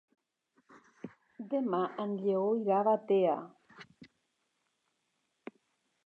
Demà en Lleó irà a Batea.